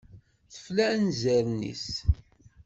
Tefla anzaren-nnes.